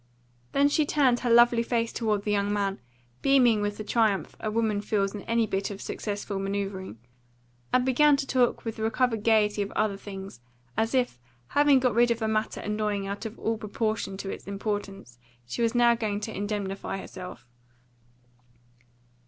Then she turned her lovely face toward the young man, beaming with the triumph a woman feels in any bit of successful manoeuvring, and began to talk with recovered gaiety of other things, as if, having got rid of a matter annoying out of all proportion to its importance, she was now going to indemnify herself.